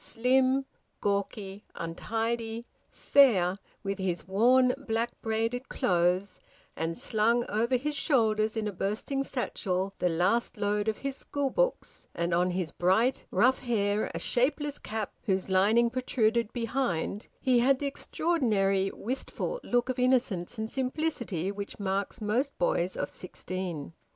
Slim, gawky, untidy, fair, with his worn black braided clothes, and slung over his shoulders in a bursting satchel the last load of his schoolbooks, and on his bright, rough hair a shapeless cap whose lining protruded behind, he had the extraordinary wistful look of innocence and simplicity which marks most boys of sixteen.